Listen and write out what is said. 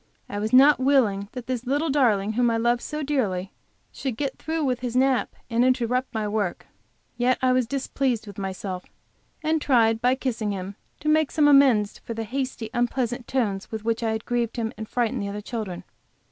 I was not willing that this little darling, whom I love so dearly, should get through with his nap and interrupt my work; yet I was displeased with myself, and tried by kissing him to make some amends for the hasty, un pleasant tones with which I had grieved him and frightened the other children.